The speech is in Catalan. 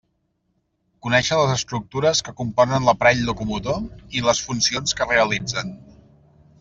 Conéixer les estructures que componen l'aparell locomotor i les funcions que realitzen.